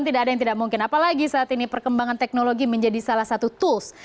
tidak ada yang tidak mungkin apalagi saat ini perkembangan teknologi menjadi salah satu tools